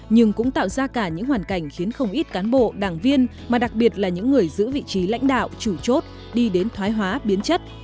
nhưng cũng tạo ra cả những hoàn cảnh khiến không ít cán bộ đảng viên mà đặc biệt là những người giữ vị trí lãnh đạo chủ chốt đi đến thoái hóa biến chất